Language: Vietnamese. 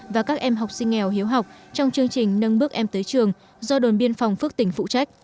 và các em học sinh nghèo hiếu học trong chương trình nâng bước em tới trường do đồn biên phòng phước tỉnh phụ trách